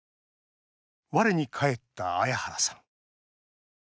我に返った彩原さん。